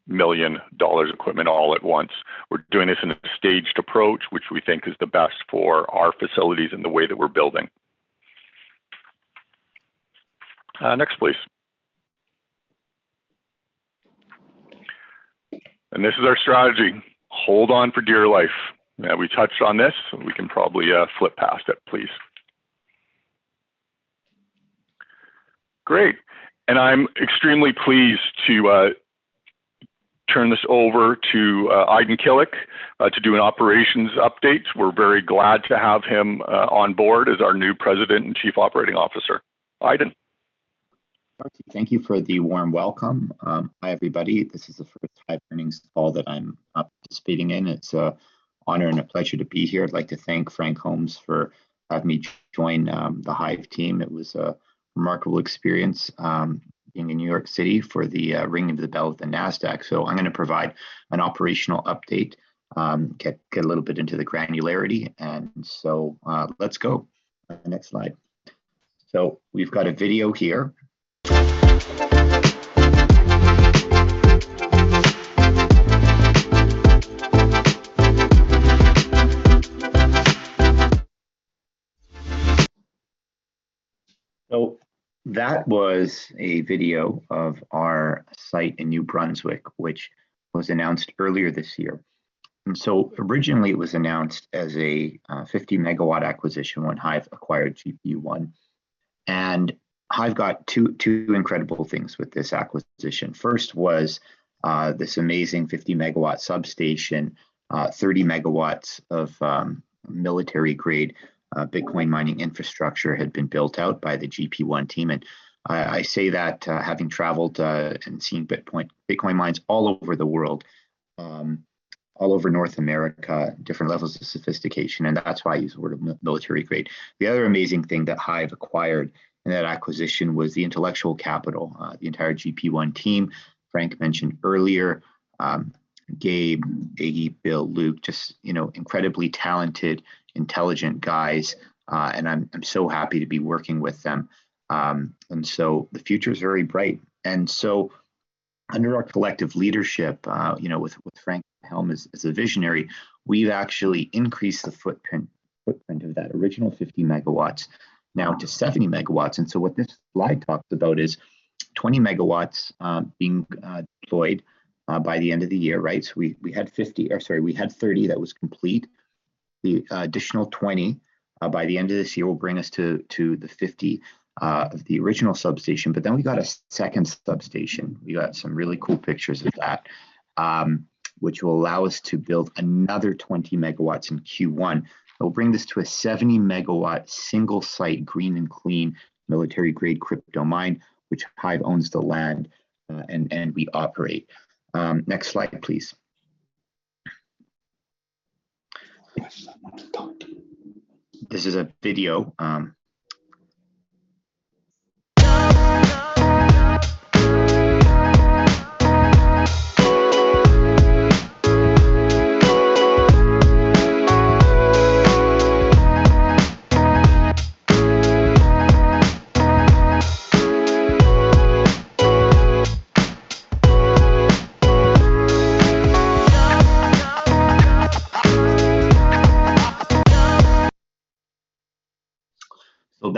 million dollars equipment all at once. We're doing this in a staged approach, which we think is the best for our facilities and the way that we're building. Next, please. This is our strategy. Hold on for dear life. We touched on this, and we can probably flip past it, please. Great. I'm extremely pleased to turn this over to Aydin Kilic to do an operations update. We're very glad to have him on board as our new President and Chief Operating Officer. Aydin. Thank you for the warm welcome. Hi, everybody. This is the first HIVE earnings call that I'm participating in. It's an honor and a pleasure to be here. I'd like to thank Frank Holmes for having me join the HIVE team. It was a remarkable experience being in New York City for the ringing of the bell at the Nasdaq. I'm going to provide an operational update, get a little bit into the granularity, let's go. Next slide. We've got a video here. That was a video of our site in New Brunswick, which was announced earlier this year. Originally it was announced as a 50-megawatt acquisition when HIVE acquired GPU.One. HIVE got two incredible things with this acquisition. First was this amazing 50 MW substation, 30 MW of military-grade Bitcoin mining infrastructure had been built out by the GPU.One team. I say that having traveled and seen Bitcoin mines all over the world, all over North America, different levels of sophistication, and that's why I use the word military grade. The other amazing thing that HIVE acquired in that acquisition was the intellectual capital, the entire GPU.One team. Frank mentioned earlier Gabe, Iggy, Bill, Luke, just incredibly talented, intelligent guys. I'm so happy to be working with them. The future is very bright. Under our collective leadership, with Frank Holmes as a visionary, we've actually increased the footprint of that original 50 MW-70 MW. What this slide talks about is 20 megawatts being deployed by the end of the year. We had 50, or sorry, we had 30 that was complete. The additional 20 by the end of this year will bring us to the 50 of the original substation. We got a second substation. We got some really cool pictures of, which will allow us to build another 20 megawatts in Q1. It will bring this to a 70 MW single site, green and clean military-grade crypto mine, which HIVE owns the land, and we operate. Next slide, please. Yes, I want to talk to you. This is a video.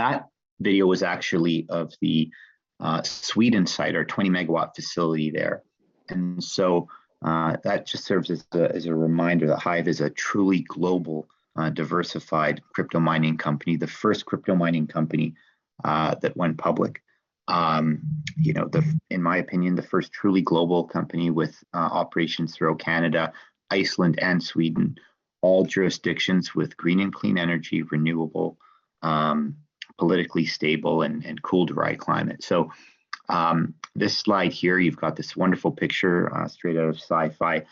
That video is actually of the Sweden site, our 20 MW facility there. That just serves as a reminder that HIVE is a truly global diversified crypto mining company, the first crypto mining company that went public. In my opinion, the first truly global company with operations throughout Canada, Iceland, and Sweden. All jurisdictions with green and clean energy, renewable, politically stable, and cool, dry climate. This slide here, you've got this wonderful picture straight out of sci-fi.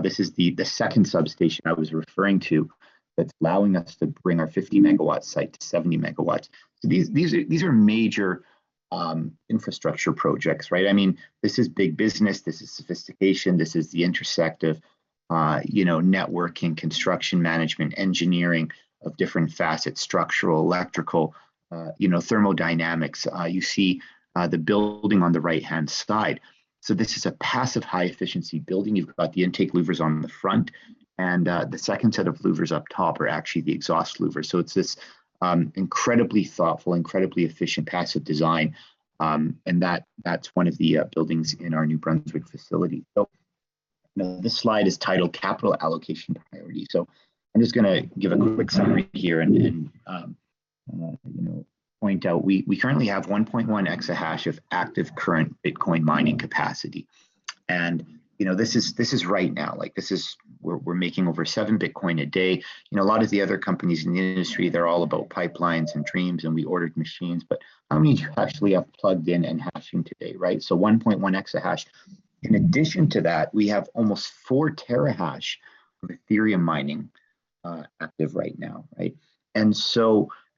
This is the second substation I was referring to that's allowing us to bring our 50 MW-70 MW site. These are major infrastructure projects, right? This is big business. This is sophistication. This is the intersect of networking, construction management, engineering of different facets, structural, electrical, thermodynamics. You see the building on the right-hand side. This is a passive high-efficiency building. You've got the intake louvers on the front, and the second set of louvers up top are actually the exhaust louvers. It's this incredibly thoughtful, incredibly efficient passive design, and that's one of the buildings in our New Brunswick facility. This slide is titled Capital Allocation Priority. I'm just going to give a quick summary here and point out we currently have 1.1 exahash of active current Bitcoin mining capacity. This is right now. We're making over 7 Bitcoin a day. A lot of the other companies in the industry, they're all about pipelines and dreams and we ordered machines, but how many actually have plugged in and hashing today, right? 1.1 exahash. In addition to that, we have almost 4 terahash of Ethereum mining active right now, right?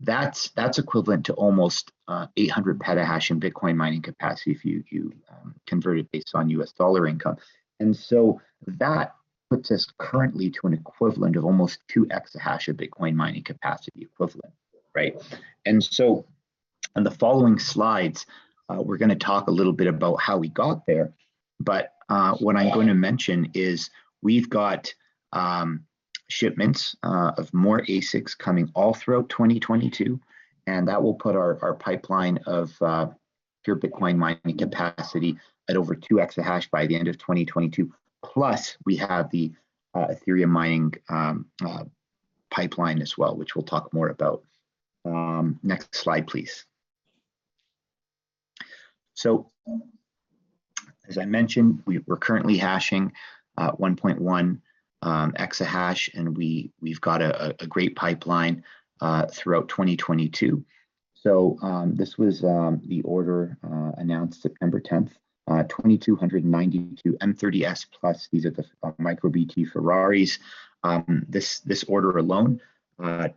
That's equivalent to almost 800 petahash in Bitcoin mining capacity if you convert it based on US dollar income. That puts us currently to an equivalent of almost 2 exahash of Bitcoin mining capacity equivalent, right. On the following slides, we're going to talk a little bit about how we got there. What I'm going to mention is we've got shipments of more ASICs coming all throughout 2022, and that will put our pipeline of pure Bitcoin mining capacity at over 2 exahash by the end of 2022. Plus, we have the Ethereum mining pipeline as well, which we'll talk more about. Next slide, please. As I mentioned, we're currently hashing 1.1 exahash, and we've got a great pipeline throughout 2022. This was the order announced September 10th, 2,292 M30S+. These are the MicroBT Ferraris. This order alone,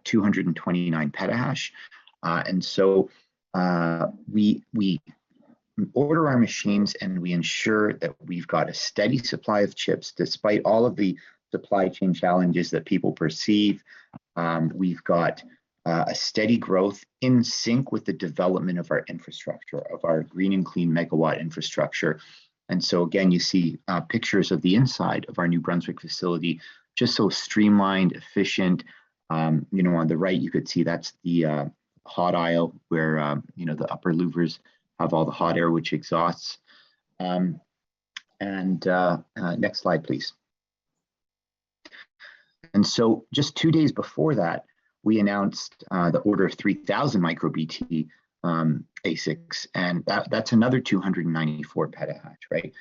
229 petahash. We order our machines, and we ensure that we've got a steady supply of chips despite all of the supply chain challenges that people perceive. We've got a steady growth in sync with the development of our infrastructure, of our green and clean megawatt infrastructure. Again, you see pictures of the inside of our New Brunswick facility, just so streamlined, efficient. On the right you could see that's the hot aisle where the upper louvers have all the hot air which exhausts. Next slide, please. Just days before that, we announced the order of 3,000 MicroBT ASICs, and that's another 294 petahash, right?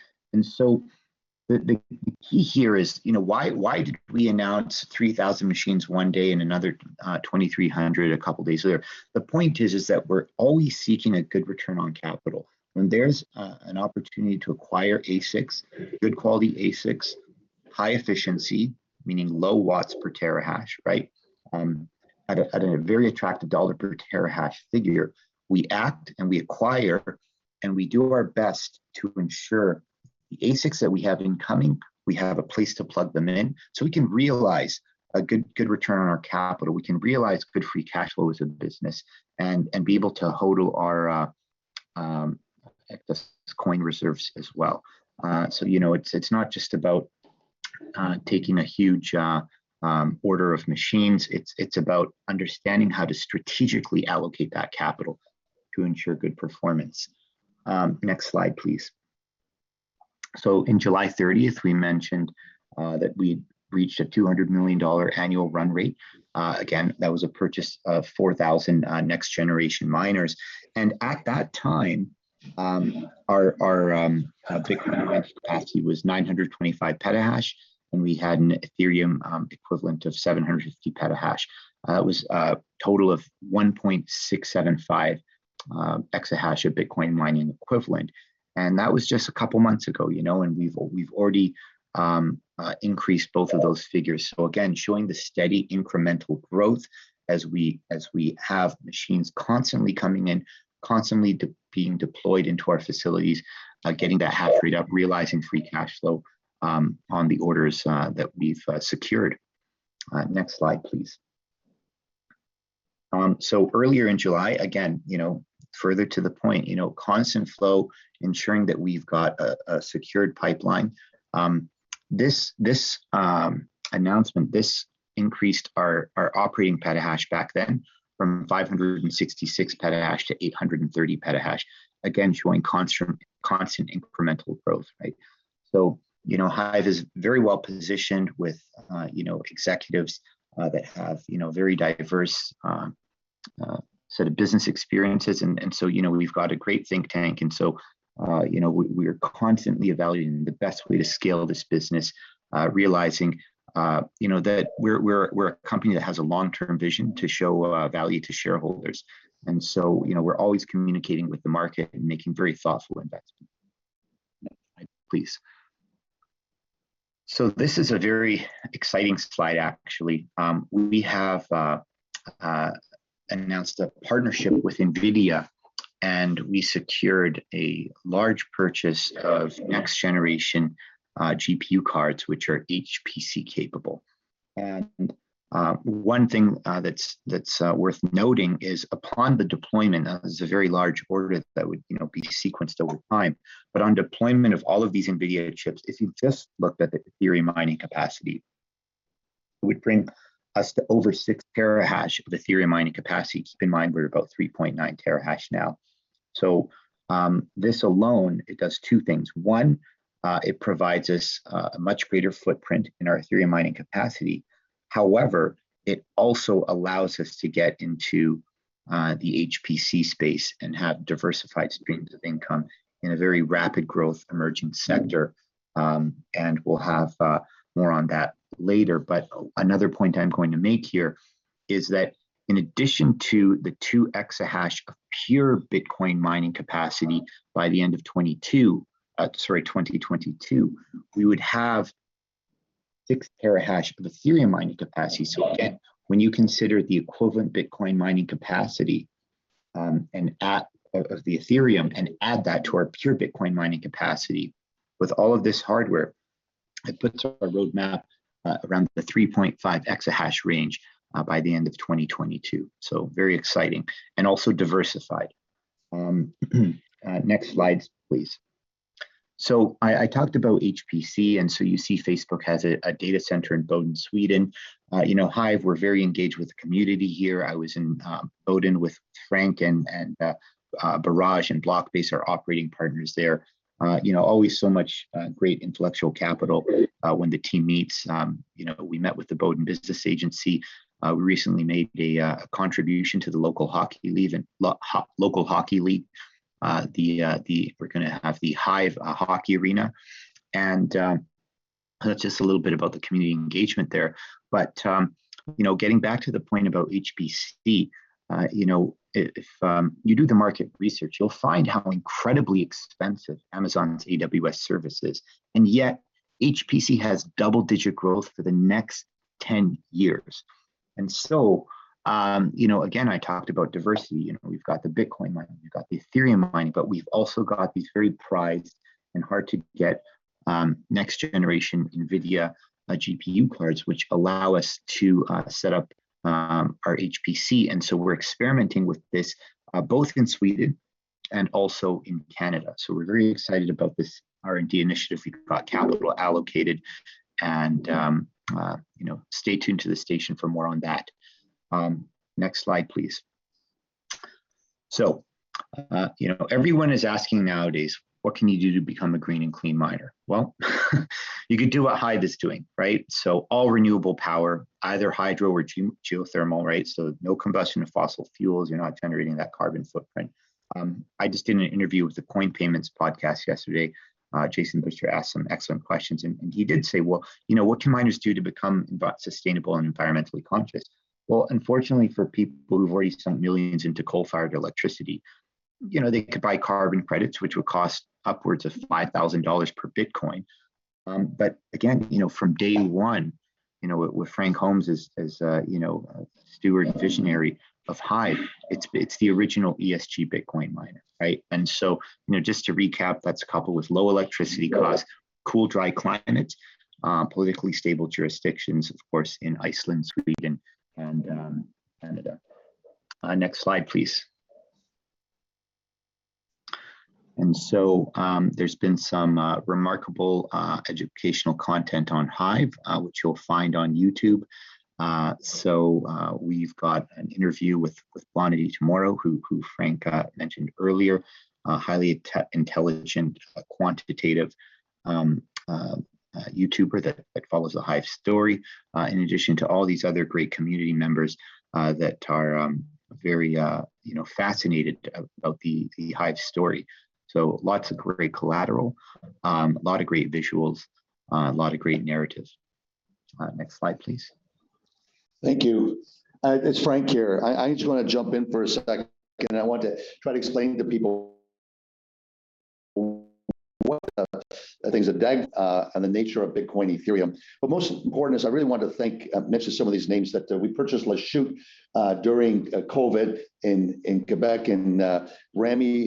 The key here is why did we announce 3,000 machines 1 day and another 2,300 a couple of days later? The point is that we're always seeking a good return on capital. When there's an opportunity to acquire ASICs, good quality ASICs, high efficiency, meaning low watts per terahash, right? At a very attractive CAD per terahash figure, we act and we acquire, and we do our best to ensure the ASICs that we have incoming, we have a place to plug them in so we can realize a good return on our capital. We can realize good free cash flows in business and be able to HODL our coin reserves as well. It's not just about taking a huge order of machines. It's about understanding how to strategically allocate that capital to ensure good performance. Next slide, please. In July 30th, we mentioned that we'd reached a $200 million annual run rate. Again, that was a purchase of 4,000 next-generation miners. At that time, our Bitcoin mining capacity was 925 petahash, and we had an Ethereum equivalent of 750 petahash. It was a total of 1.675 exahash of Bitcoin mining equivalent. That was just a couple of months ago, and we've already increased both of those figures. Again, showing the steady incremental growth as we have machines constantly coming in, constantly being deployed into our facilities, getting that hash rate up, realizing free cash flow on the orders that we've secured. Next slide, please. Earlier in July, again, further to the point, constant flow ensuring that we've got a secured pipeline. This announcement increased our operating petahash back then from 566 petahash to 830 petahash, again, showing constant incremental growth. Right? HIVE is very well-positioned with executives that have very diverse set of business experiences, and so we've got a great think tank. We are constantly evaluating the best way to scale this business, realizing that we're a company that has a long-term vision to show value to shareholders. We're always communicating with the market and making very thoughtful investments. Next slide, please. This is a very exciting slide, actually. We have announced a partnership with NVIDIA, and we secured a large purchase of next-generation GPU cards, which are HPC capable. One thing that's worth noting is upon the deployment, this is a very large order that would be sequenced over time, but on deployment of all of these NVIDIA chips, if you just looked at the Ethereum mining capacity, it would bring us to over 6 terahash of Ethereum mining capacity. Keep in mind, we're about 3.9 terahash now. This alone, it does two things. One, it provides us a much greater footprint in our Ethereum mining capacity. It also allows us to get into the HPC space and have diversified streams of income in a very rapid growth emerging sector. We'll have more on that later. Another point I'm going to make here is that in addition to the 2 exahash of pure Bitcoin mining capacity by the end of 2022, we would have 6 terahash of Ethereum mining capacity. Again, when you consider the equivalent Bitcoin mining capacity of the Ethereum and add that to our pure Bitcoin mining capacity, with all of this hardware, it puts our roadmap around the 3.5 exahash range by the end of 2022. Very exciting and also diversified. Next slide, please. I talked about HPC, and so you see Facebook has a data center in Boden, Sweden. HIVE, we're very engaged with the community here. I was in Boden with Frank and Barrage and BlockBase, our operating partners there. Always so much great intellectual capital when the team meets. We met with the Boden Business Agency. We recently made a contribution to the local hockey league. We're going to have the HIVE hockey arena. That's just a little bit about the community engagement there. Getting back to the point about HPC, if you do the market research, you'll find how incredibly expensive Amazon's AWS service is. Yet HPC has double-digit growth for the next 10 years. Again, I talked about diversity, we've got the Bitcoin mining, we've got the Ethereum mining. We've also got these very prized and hard-to-get next-generation NVIDIA GPU cards, which allow us to set up our HPC. We're experimenting with this both in Sweden and also in Canada. We're very excited about this R&D initiative. We've got capital allocated and stay tuned to this station for more on that. Next slide, please. Everyone is asking nowadays, what can you do to become a green and clean miner? You can do what HIVE is doing. Right? All renewable power, either hydro or geothermal. Right? No combustion of fossil fuels. You're not generating that carbon footprint. I just did an interview with the CoinPayments podcast yesterday. Jason Butcher asked some excellent questions, and he did say, "Well, what can miners do to become sustainable and environmentally conscious?" Unfortunately for people who've already sunk millions into coal-fired electricity, they could buy carbon credits, which would cost upwards of $5,000 per Bitcoin. Again, from day one, with Frank Holmes as steward and visionary of HIVE, it's the original ESG Bitcoin miner. Right? Just to recap, that's coupled with low electricity costs, cool, dry climates, politically stable jurisdictions, of course, in Iceland, Sweden, and Canada. Next slide, please. There's been some remarkable educational content on HIVE, which you'll find on YouTube. We've got an interview with Vanity Tomorrow, who Frank mentioned earlier. A highly intelligent quantitative YouTuber that follows the HIVE story, in addition to all these other great community members that are very fascinated about the HIVE story. Lots of great collateral, a lot of great visuals, a lot of great narratives. Next slide, please. Thank you. It's Frank here. I just want to jump in for a second, and I want to try to explain to people things of DAG, and the nature of Bitcoin, Ethereum. Most important is I really want to mention some of these names that we purchased Lachute during COVID in Quebec, and Remy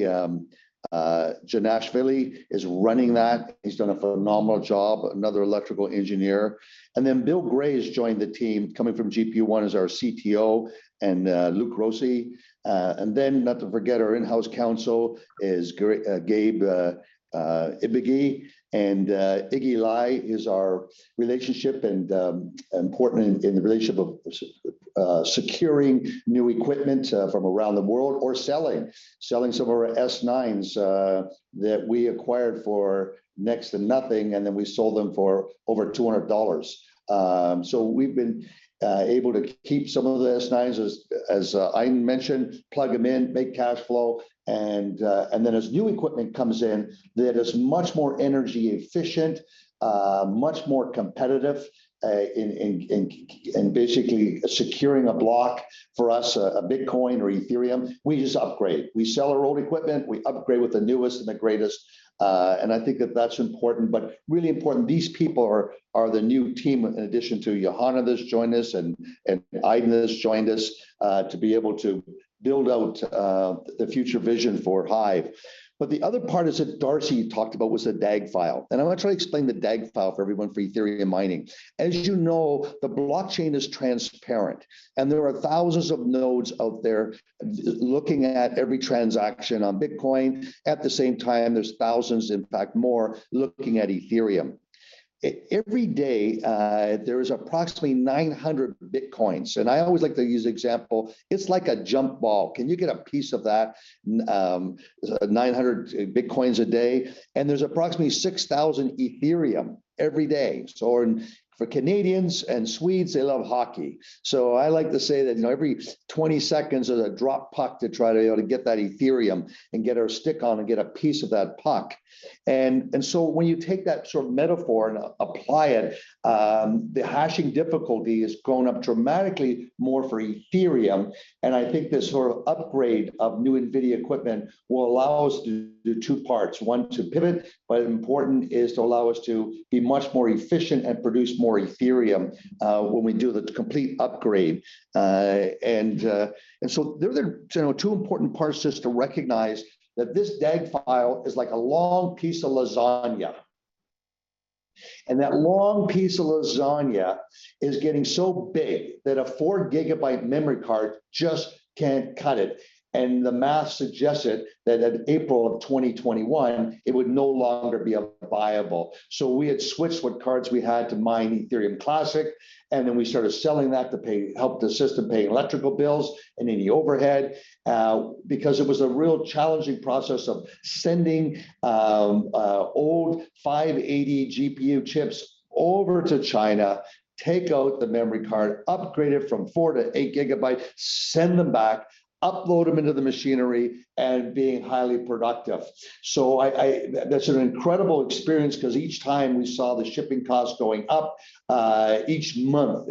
Jonashvilli is running that. He's done a phenomenal job, another electrical engineer. Bill Papanastasiou has joined the team coming from GPU.One as our CTO, and Luke Rossy. Not to forget our in-house counsel is Gabriel Ibghy, and Iggy Lai is important in the relationship of securing new equipment from around the world or selling some of our S9s that we acquired for next to nothing, and then we sold them for over 200 dollars. We've been able to keep some of the S9s as Aydin mentioned, plug them in, make cash flow, and then as new equipment comes in that is much more energy efficient, much more competitive in basically securing a block for us, a Bitcoin or Ethereum, we just upgrade. We sell our old equipment, we upgrade with the newest and the greatest, and I think that that's important, but really important, these people are the new team in addition to Johanna Thörnblad that's joined us, and Aydin Kilic that has joined us, to be able to build out the future vision for HIVE. The other part is that Darcy Daubaras talked about was the DAG file, and I'm going to try to explain the DAG file for everyone for Ethereum mining. As you know, the blockchain is transparent, and there are thousands of nodes out there looking at every transaction on Bitcoin. At the same time, there's thousands, in fact, more looking at Ethereum. Every day, there's approximately 900 Bitcoins, and I always like to use the example, it's like a jump ball. Can you get a piece of that 900 Bitcoins a day? There's approximately 6,000 Ethereum every day. For Canadians and Swedes, they love hockey. I like to say that every 20 seconds there's a drop puck to try to be able to get that Ethereum and get our stick on and get a piece of that puck. When you take that sort of metaphor and apply it, the hashing difficulty has gone up dramatically more for Ethereum, and I think this sort of upgrade of new NVIDIA equipment will allow us to do two parts. One, to pivot, but important is to allow us to be much more efficient and produce more Ethereum when we do the complete upgrade. There are two important parts just to recognize that this DAG file is like a long piece of lasagna. That long piece of lasagna is getting so big that a 4 GB memory card just can't cut it. The math suggested that in April of 2021, it would no longer be viable. We had switched what cards we had to mine Ethereum Classic, and then we started selling that to help the system pay electrical bills and any overhead, because it was a real challenging process of sending old 580 GPU chips over to China, take out the memory card, upgrade it from 4 GB-8 GB, send them back, upload them into the machinery, and being highly productive. That's an incredible experience because each time we saw the shipping cost going up each month,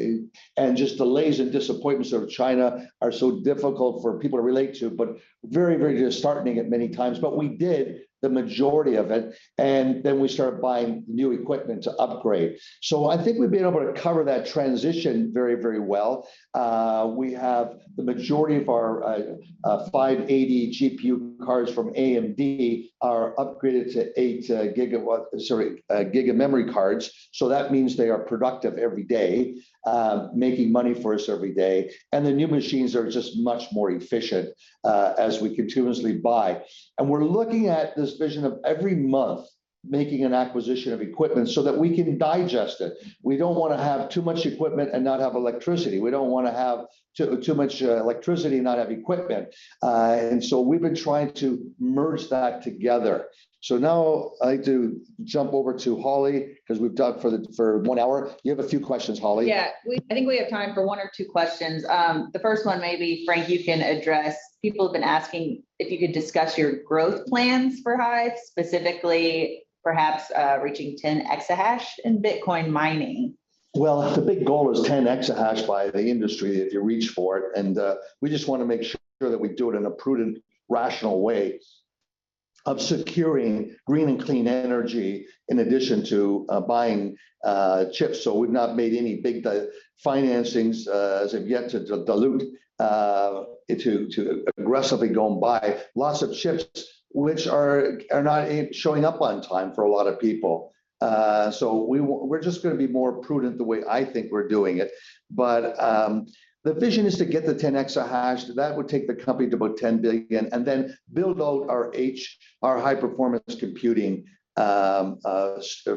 and just delays and disappointments of China are so difficult for people to relate to, but very disheartening at many times. We did the majority of it, we started buying new equipment to upgrade. I think we've been able to cover that transition very well. We have the majority of our 580 GPU cards from AMD are upgraded to 8 GB memory cards. That means they are productive every day, making money for us every day. The new machines are just much more efficient as we continuously buy. We're looking at this vision of every month making an acquisition of equipment so that we can digest it. We don't want to have too much equipment and not have electricity. We don't want to have too much electricity and not have equipment. We've been trying to merge that together. Now I'd like to jump over to Holly because we've talked for one hour. You have a few questions, Holly. Yeah. I think we have time for one or two questions. The first one, maybe Frank you can address. People have been asking if you could discuss your growth plans for HIVE, specifically perhaps reaching 10 exahash in Bitcoin mining. Well, the big goal is 10 exahash by the industry if you reach for it. We just want to make sure that we do it in a prudent, rational way of securing green and clean energy in addition to buying chips. We've not made any big financings as of yet to dilute, to aggressively go and buy lots of chips which are not showing up on time for a lot of people. We're just going to be more prudent the way I think we're doing it. The vision is to get to 10 exahash. That would take the company to about $10 billion, and then build out our high-performance computing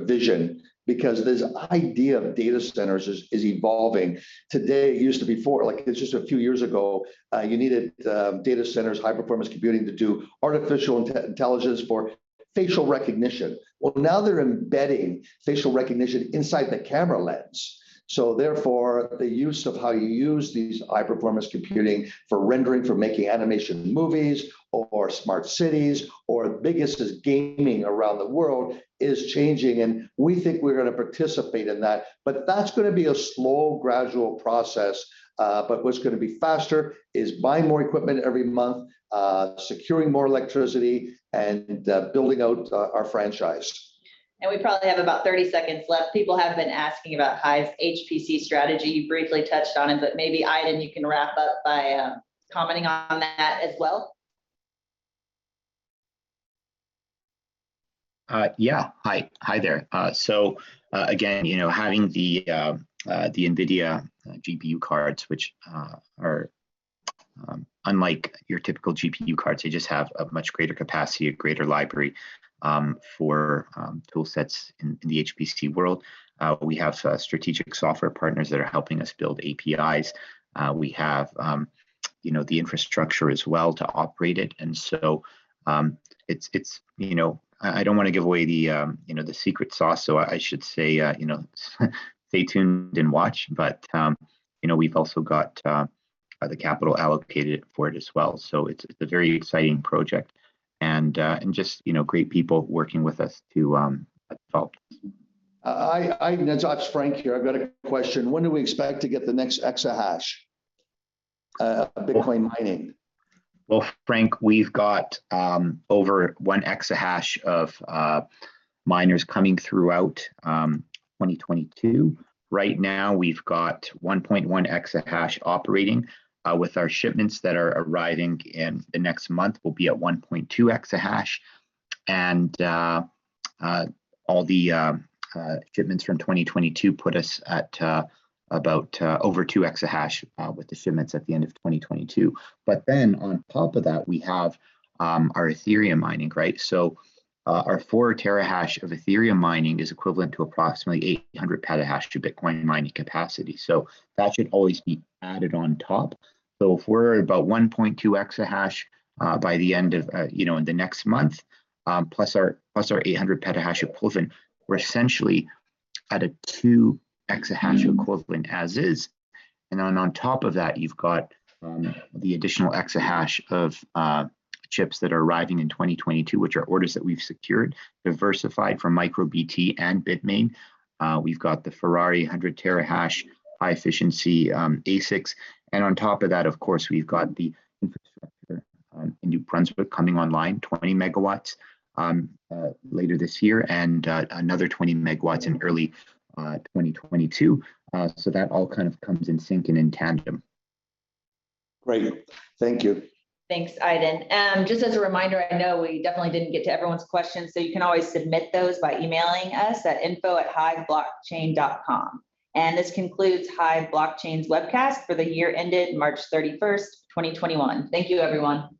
vision. This idea of data centers is evolving. Today, it used to be before, like just a few years ago, you needed data centers, high-performance computing to do artificial intelligence for facial recognition. Now they're embedding facial recognition inside the camera lens. Therefore, the use of how you use these high-performance computing for rendering, for making animation movies or smart cities, or the biggest is gaming around the world, is changing, and we think we're going to participate in that. That's going to be a slow, gradual process. What's going to be faster is buying more equipment every month, securing more electricity, and building out our franchise. We probably have about 30 seconds left. People have been asking about HIVE's HPC strategy. You briefly touched on it, but maybe Aydin, you can wrap up by commenting on that as well. Yeah. Hi there. Again, having the NVIDIA GPU cards, which are unlike your typical GPU cards, they just have a much greater capacity, a greater library for tool sets in the HPC world. We have strategic software partners that are helping us build APIs. We have the infrastructure as well to operate it. I don't want to give away the secret sauce. I should say stay tuned and watch. We've also got the capital allocated for it as well. It's a very exciting project and just great people working with us to develop this. Ayd, it's Frank here. I've got a question. When do we expect to get the next exahash of Bitcoin mining? Well, Frank, we've got over 1 exahash of miners coming throughout 2022. Right now, we've got 1.1 exahash operating with our shipments that are arriving in the next month. We'll be at 1.2 exahash, all the shipments from 2022 put us at about over 2 exahash with the shipments at the end of 2022. On top of that, we have our Ethereum mining. Our 4 terahash of Ethereum mining is equivalent to approximately 800 petahash to Bitcoin mining capacity. That should always be added on top. If we're at about 1.2 exahash by the end of the next month, plus our 800 petahash equivalent, we're essentially at a 2 exahash equivalent as is. On top of that, you've got the additional exahash of chips that are arriving in 2022, which are orders that we've secured, diversified from MicroBT and Bitmain. We've got the Ferrari 100 terahash high-efficiency ASICs, on top of that, of course, we've got the infrastructure in New Brunswick coming online, 20 MW later this year and another 20 MW in early 2022. That all kind of comes in sync and in tandem. Great. Thank you. Thanks, Aydin. Just as a reminder, I know we definitely didn't get to everyone's questions, so you can always submit those by emailing us at info@hivedigitaltech.com. This concludes HIVE Blockchain's webcast for the year ended March 31st, 2021. Thank you, everyone.